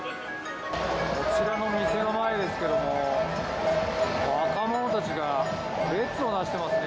こちらの店の前ですけれども、若者たちが列をなしてますね。